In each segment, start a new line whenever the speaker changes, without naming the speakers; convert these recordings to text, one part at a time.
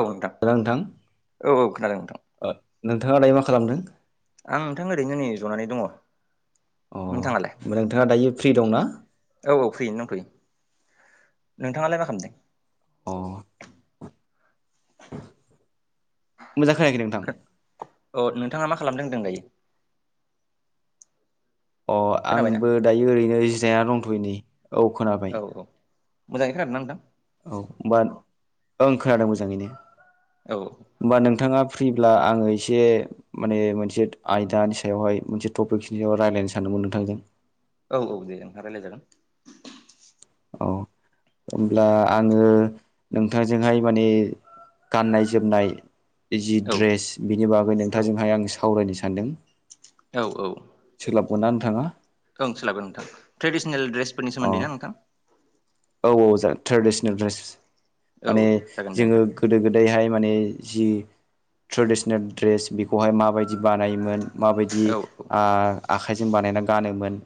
औ नोंथां औ औ खोनादों नोंथां
ओ नोंथाङा दायो मा खालामदों
आं नोंथां ओरैनो नै जनानै दङ
अ
नोंथाङालाय
नोंथाङा दायो फ्रि दंना
औ औ फैय दंथ'यो नोंथाङालाय मा खालामदों
अ मोजां खोनायाखै नोंथां
औ नोंथाङा मा खालामदों होनदों दायो
अ
खोनाबायना
आंबो दायो ओरैनो जिरायना दंथ'यनि औ खोनाबाय
औ औ मोजाङै खोनादों ना नोंथां
औ होमबा ओं खोनादों मोजाङैनो
औ
होमबा नोंथाङा फ्रिब्ला आङो एसे माने मोनसे आयदानि सायावहाय मोनसे टपिकनि सायाव रायलायनो सानदों नोंथांजों
औ औ दे नोंथां रायलायजागोन
औ होमब्ला आङो नोंथांजोंहाय माने गाननाय जोमनाय जि
औ
द्रेस बिनि बागै
औ
नोंथांजोंहाय आं सावरायनो सानदों
औ औ
सोलाबगोन ना नोंथांङा
ओं सोलाबगोन नोंथां ट्रेडिसनेल ड्रेसफोरनि सोमोन्दै
अ
ना नोंथां।
औ जा ट्रेडिसनेल ड्रेस
औ औ
माने
जागोन दे नोंथां
जोङो गोदो-गोदायहाय माने जि ट्रेडिसनेल दड्रेस बेखौहाय माबायदि बानायोमोन माबायदि
औ
आ-आखाइजों बानायना गानोमोन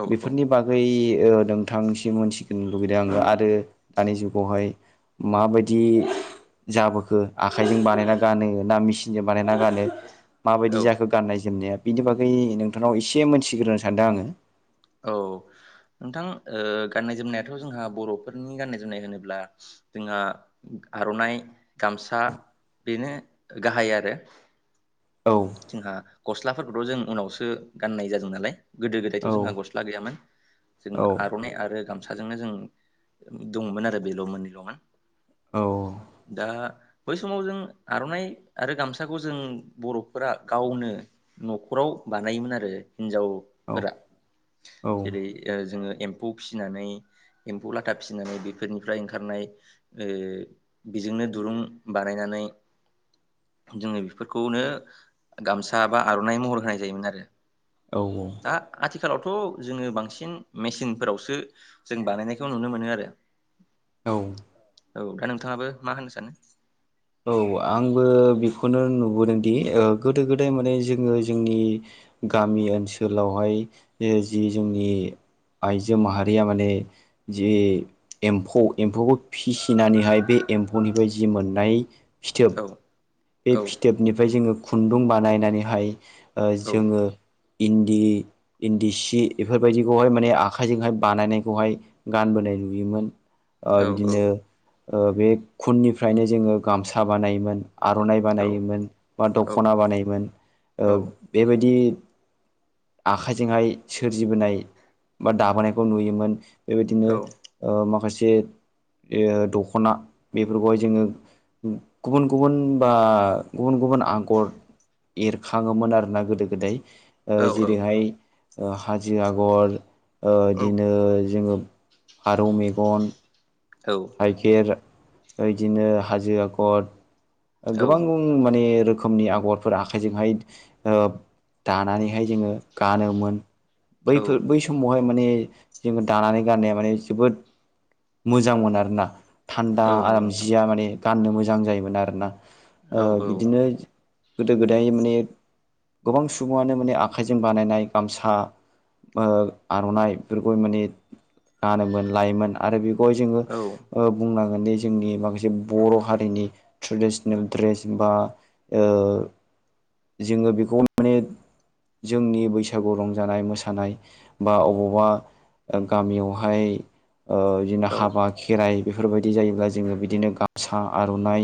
औ
बेफोरनि बागै ओ नोंथांसि मिथिनो लुुबैदों आङो आरो दानि जुगावहाय माबायदि जाबोखो आखाइजों बानायना गानो ना मेसिनजों बानायना गानो माबायदि
औ
जाखो गाननाय-जोमनाया बिनि बागै नोंथांनाव एसे मोनथिग्रोनो सानदों आङो
औ नोंथां गाननाय-जोमनायाथ' जोंहा बर'फोरनि गाननाय जोमनाय होनोब्ला जोंहा आर'नाइ गामसा बेनो गाहाय आरो
औ
जोंहा गस्लाफोरखौथ' जों उनावसो गाननाय जादों नालाय गोदो
औ
गोदायथ' जोंहा गस ला गैयामोन
औ
जोङो आरनाय आरो गाम साजोंनो जों दङमोन आरो बेल' मोननैल'मोन
औ
दा बै समाव जों आर'नाइ आरो गामसाखौ जों बर'फोरा गावनो न'खराव बानायोन आरो
औ
हिजावफोरा
औ
जेरै ओ जोङो एम्फौ फिनानै एम्फौ लाथा फिसिनानै बेफोरनिफ्राय ओंखारनाय ओ बेजोंनो दुरुं बानायनानै
[inaudible]
जोङो बेफोरखौनो गामसा बा आर'नाइ महर होनाय जायोमोन आरो
औ औ
थ' जोङो बांसिन मेसिनफोरावसो जों बानायनायखौ नुनो मोनो आरो
औ
औ दा नोंथाङाबो मा होननो सानो
औ आंबो बेखौनो नुबोदोंदि गोदो गोदाय माने जोङो जोंनि गामि ओनसोलावहाय ओ जि जोंनि आइजो माहारिया माने जि एम्फौ एम्फौखौ फिसिनानैहाय बे एम्फौनिफ्राय जि मोननाय फिथोब
औ
बे
औ
फिथोबनिफ्राय जोङो खुन्दुं बानायनानैहाय ओ
औ
जोङो इन्दि इन्दि सि बेफोरबायदिखौहाय माने आखाइजोंहाय बानायनायखौहाय गानबोनाय नुयोमोन ओ
औ
बिदिनो ओ बे खुननिफ्रायनो जोङो गामसा बानायोमोन। आर'नाइ
औ
बानायोमोन बा
औ
दख'ना बानायोमोन ओ
औ
बेबायदि आखाइजोंहाय सोरजिबोनाय बा दाबोनायखौ नुयोमोन। बेबायदिनो ओ माखासे जे दखना बेफोरखौहाय जोङो गुबुन गु बुन बा गुबुन गुबुन आगर एरखाङोमोन आरोना गोदो-गोदाय ओ जेरैहाय ओ हाजो आगर ओ बिदिनो जोङो फारौ मेगन
औ
थाइखेर ओ बिदिनो हाजो आगर गोबां माने रोखोमनि आगरफोर आखाइजोंहाय ओ दानानैहाय जोङो गानोमोन।
औ
बैफोर बै समावहाय माने जोङो दानानै गाननाया माने जोबोद मोजां मोन आरोना थान्दा
औ नंगौ
आराम
नोंथां
जिया माने गाननो मोजां जायोमोन आरोना ओ
औ औ
बिदिनो गोदो गोदाय माने गोबां सुबुङानो माने आखाइजों बानायनाय गामसा ओ आर'नाइ बेफोरखौ माने गानोमोन लायोमोन आरो बे बेखौहाय जोङो
औ
ओ बुंनांगोनदि जोंनि माखासे बर' हारिनि ट्रेडसन ड्रेस बा ओ जोङो बेखौ माने जोंनि बैसागु रंजानाय मोसानाय बा अबावबा ओ गामियावहाय ओ बिदिनो
औ
हाबा खेराइ बेफोरबायदि जायोब्ला जोङो बिदिनो गामसा आर'नाइ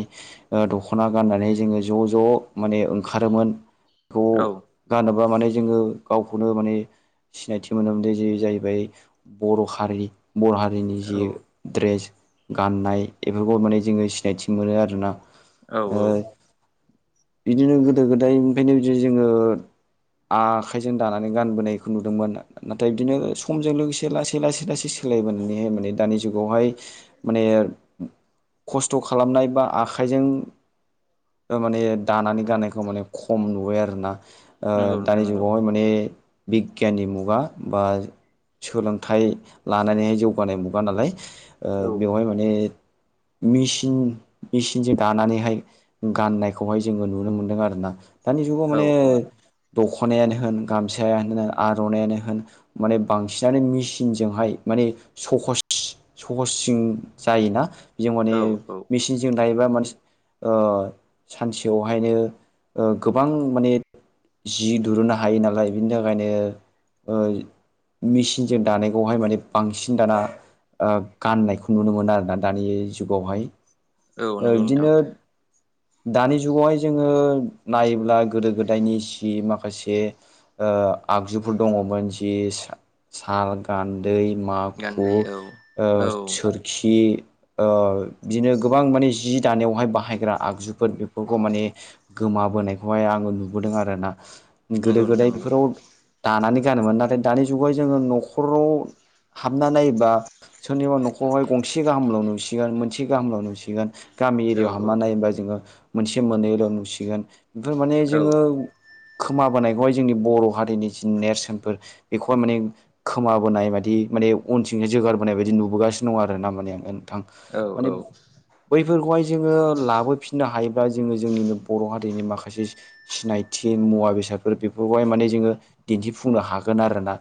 दखना गाननानै जोङो ज' ज' माने ओंखारोमोन बेखौ
औ
गानोमोन माने जोङो गावखौनो माने सिनायथि मोनोमोन जे जाहैबाय बर' हारि बर' हारिनि जि
औ
द्रेस गाननाय बेफोरखौ माने जोङो सिनायथि मोनो आरोना
औ
ओ
औ
बिदिनो गोदो गोदायनिफ्रायनो बिदि जोङो आखाइजों दानानै गानबोनायखौ नुदोंमोन नाथाय बिदिनो समजों लोगोसे लासै लासै लासै सोलायबोनानैय माने दानि जुगावहाय माने खस्थ' खालामनाय बा आखाइजों माने दानानै गाननायखौ माने खम नुबाय आरोना ओ
नंगौ नोंथां
दानि
नंगौ
जुगावहाय माने बिगियाननि मुगा बा सोलोंथाइ लानानैहाय जौगानाय मुगा नालाय ओ
औ
बेवहाय माने मेचिन मेचिनजों दानानै हाय गाननायखौहाय जोङो नुनो मोन्दों आरोना दानि जुगाव
औ
माने
औ
दख' खनायानो होन गामसायानो होन आर'नायानो होन माने बांसिनानो मेचिनजोंहाय माने सहस सहसजों जायोना जों माने
औ औ
मेचिनजों दायोबा मानसि ओ सानसेयावहायनो ओ गोबां माने जि दुरुननो हायो नालाय बिनि थाखायनो ओ मेचिनजों दानायखौहाय माने बांसिन दाना ओ गाननायखौ नुनो मोनो आरोना दानि जुगावहाय।
औ नोंगौ नोंथां।
बिदिनो [inaudible] दानि जुगावहाय जोङो नायोब्ला गोदो गोदायनि सि माखासे ओ आगजुफोर दङमोन जि सा-साल गान दै माखु
गान्दै औ
ओ
औ
सोरखि ओ बिदिनो गोबां माने जि दानायावहाय बाहायग्रा आगजुफोर बेफोरखौ माने गोमाबोनायखौहाय आङो नुबोदों आरोना गोदो
नंगौ नोंथां
गोदाय
नंगौ
बेफोराव दानानै गानोमोन नाथाय दानि जुगावहाय जोङो न'खराव हाबना नायोबा सोरनिबा न'खरावहाय गंसे गाहामल' नुसिगोन मोनसे गाहामल' नुसिगोन। गामि
औ
एरियाव हाबना नायोबा जोङो मोनसे मोननैल' नुसिगोन बेफोर माने
औ
जोङो खोमाबोनायखौहाय जोंनि बर' हारिनि जि नेरसोनफोर बेखौहाय माने खोमाबोनाय बादि माने अनथिंजाय जोगारबोनाय बायदि नुबोगासिनो दं आरोना माने ओन थां
औ
माने बैफोरखौहाय जोङो लाबोफिननो हायोबा जोङो जोंनिनो बर' हारिनि माखासे सि-सिनायथि मुवा बेसादफोर बे फोरखौहाय माने जोङो दिन्थिफुंनो हागोन आरोना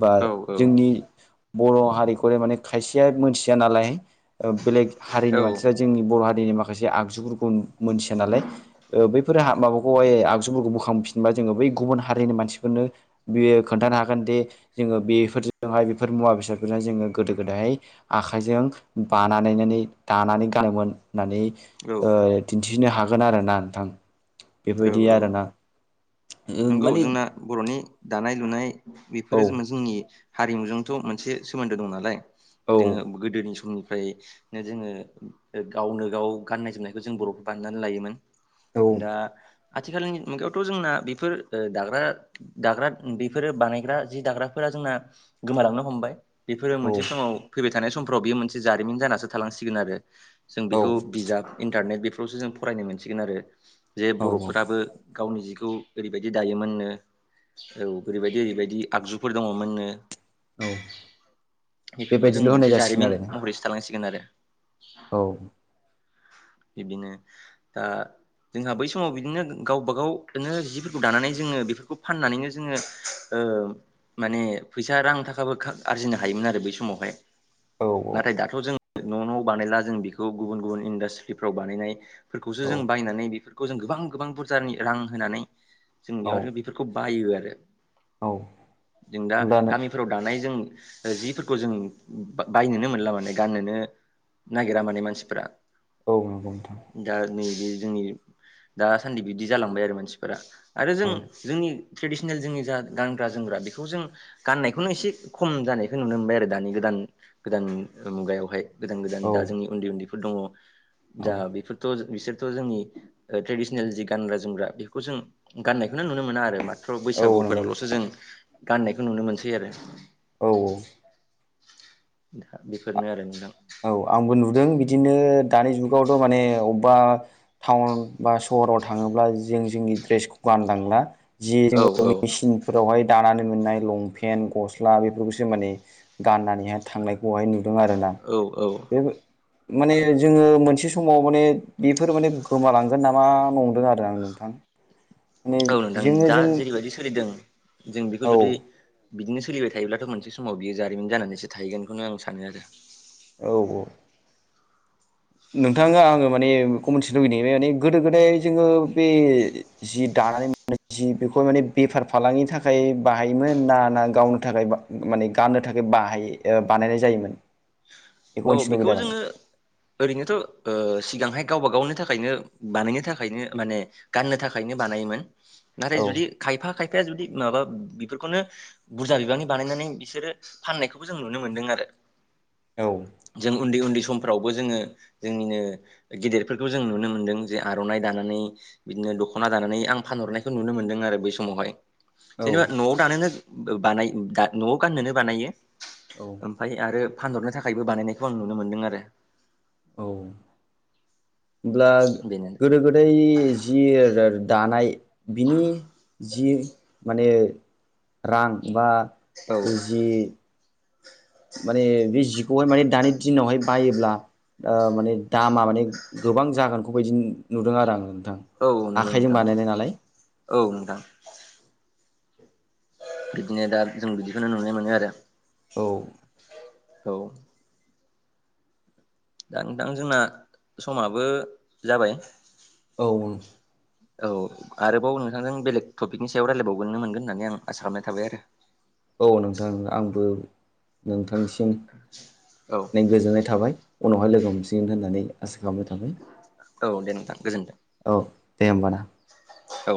बा
औ
जोंनि बर' हारिखौलाय माने खायसेया मोनथिया नालाय ओ बेलेग
औ
हारिनि मानसिफ्रा जोंनि बर' हारिनि माखासे आगजुफोरखौ नु मोनथिया नालाय ओ बैफोर हा माबाखौहाय आगजुफोरखौ बोखांफिनबा जोङो बै गुबुन हारिनि मानसिफोरनो बेयो खोन्थानो हागोन दे जोङो बेफोरजोंहाय बेफोर मुवा बेसादफोरजों जोङो गोदो गोदाय आखाइजों बानानै नानै दानानै गानोमोन होननानै
औ
ओ दिन्थिनो हागोन आरोना नोंथां बेफोरबायदि आरोना।
नोंगौ
माने
जोंना बर'नि दानाय लुनाय
औ
बेफोरो जोंना जोंनि हारिमुजोंथ' मोनसे सोमोन्दो दं नालाय
औ
जोङो गोदोनि समनि ओमफ्राय जोङो ओ गावनो गाव गाननाय जोमनायखौ जों बर' बानायनानै लायोमोन।
औ
दा आथिखालनि मुगायावथ' जोंना बे फोर ओ दाग्रा दाग्रा उम बेफोरो बानायग्रा जि दाग्राफोरा जोंना गोमालांनो हमबाय। बेफोरो मोनसे समाव फैबाय थानाय समफ्राव बेयो मोनसे जारिमिन जानासो थालांसिगोन आरो। जों
औ
बेखौ बिजाब इन्टारनेट बेफोरावसो जों फरायनो मोनसिगोन आरो जे
औ औ
बर'फोराबो गावनि जिखौ ओरैबायदि दायोमोन नो औ ओरैबायदि ओरैबायदि आगजुफोर दङ मोननो
औ
बेफोरखौ जों
बेबायदिल' होनाय
मोनसे
जासिगोन
जारिमिन
आरो
महरैसो थालांसिगोन आरो।
औ।
बिब्दिनो दा जोंहा बै समाव बिदिनो गो गावबा गावनो जिफोरखौ दानानै जोङो बेफोरखौ फाननानैनो जोङो ओ ओ माने फैसा रां थाखाबो खा आरजिनो हायोमोन आरो बै समावहाय।
औ
नाथाय दाथ' जों न' न'आव बानायला जों बेखौ गुबुन गुबुन इन्डास्ट्रिफ्राव बानायनाय फोरखौसो
औ
जों बायनानै बेफोरखौ जों गोबां गोबां बुरजानि रां होनानै जों
औ
बेरादनो बेफोरखौ बायो आरो
औ
जों दा
होमब्लानो
गामिफोराव दानाय जों जिफोरखौ जों बायनोनो मोनला माने गाननोनो नागिरा माने मानसिफोरा।
औ नंगौ नोंथां।
बे जोंनि दासान्दि बिदि जालांबाय आरो मानसिफोरा आरो जों
औ
जोंनि ट्रेडिसिनेल जोंनि जा गानग्रा जोमग्रा बेखौ जों गाननायखौनो एसे खम जानायखौ नुनो मोनबाय आरो दानि गोदान गोदान गोदान मुगायावहाय। गोदान गोदान
औ
दा जोंनि उन्दै उन्दैफोर दङ
औ
दा बेफोरथ' बिसोरथ' जोंनि ट्रेडिसनेल जि गानग्रा जोमग्रा बेखौ जों गाननायखौनो नुनो मोना आरो दा थ'
औ नंगौ
बैसागुफोरावल'सो जों गाननायखौ नुनो मोनसै आरो
औ औ
दा बेफोरनो आरो नोंथां
औ आंबो नुदों बि दिनो दानि जुगावथ' माने अबेबा टाउन बा सहराव थाङोब्ला जों जों द्रेसखौ गानलांला जि
औ
जोङो
औ
मेसिनफोराव हाय दानानै मोननाय लंपेन गस्ला बेफोरखौसो माने गाननानैहाय थांनायखौहाय नु यो आरोना
औ औ
बे-बे माने जोङो मोनसे समाव माने बेफोर माने गोमालांगोन नामा नंदों आरो आं नोंथां। [unintelligible]
औ नोंथां
जोङो
दा
जों
जेरैबायदि सोलिदों जों बेखौ
औ
जुदि ' बिदिनो सोलिबाय थायोब्लाथ' मोनसे समाव बियो जारिमिन जानानैसो थाहैगोनखौनो आं सानो आरो।
औ औ नोंथाङा आङो माने बेखौ मोनथिनो लुबैनाय माने गोदो गोदाय जोङो बे जि दा हालालै नोंजो जि बेखौ माने बेफार फालांगिनि थाखाय बाहायोमोन ना ना गावनो थाखाय बा माने गाननो थाखा ब बानायनाय जायोमोन?
औ
मिथिनो
बेखौ
लुगैदों
जोङो ओरैनोथ' ओ सिगांहाय गावबा गावनि थाखाय नो बानायनो थाखायनो माने गाननो थाखायनो बानायोमोन नाथाय
आरो
जुदि खायफा खायफाा खायफाया जुदि माबा बेफोरखौनो बुरजा बिबांनि बानायनानै बिसोरो फाननायखौबो जों नुनो मोन्दों आरो
[unintelligible]
जों उन्दै उन्दै समफ्रावबो जोङो जोंनिनो गेदेरफोरखौ जों नुनो मोनदों जे आर'नाइ दानानै बिदि दख'ना दानानै आं फानहरनायखौ नुनो मोन्दों आरो बै समावहाय
औ
जेनेबा न'आव दानोनो बानाय न'आव गाननोनो बानायो।
औ
ओमफाय आरो फानहरनो थाखायबो बानायनायखौ आं नुनो मोनदों आरो।
होमब्ला
बेनो
गोदो गोदाय जि दानाय बिनि जि माने रां बा
औ
जि माने बे जिखौहाय माने दानि दिनावहाय बायोब्ला ओ माने दामा माने गोबां जागोनखौ बायदि नुदों आरो आं। थां।
औ नंगौ
आखजों
नोंथां
बानायनाय नालाय।
औ नोंथां बिदिनो दा जों बिदिखौनो नुनो मोनो आरो।
औ।
औ। दा नोंथां जोंना समाबो जाबाय
औ
औ आरोबाव नोंथांजों बेलेग टपिकनि सायाव रायजलायबावगोनो मोनगोन होननानै आं आसा खालामनाय थाबाय आरो।
औ नोंथां आंबो नोंथांनिसिम
औ
सिम गोजोननाय थाबाय उनावहाय लोगो हमसिनगोन होननानै आसा बावनाय थाबाय
औ दे नोंथां गोजोन्थों
औ दे होमब ना?
औ।